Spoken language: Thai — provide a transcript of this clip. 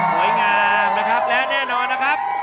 สวยงามนะครับและแน่นอนนะครับ